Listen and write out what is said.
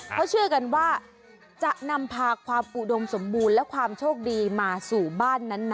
เขาเชื่อกันว่าจะนำพาความอุดมสมบูรณ์และความโชคดีมาสู่บ้านนั้นนะ